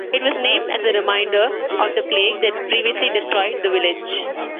It was named as a reminder of the plague that previously destroyed the village.